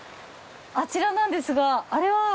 あちらなんですがあれは。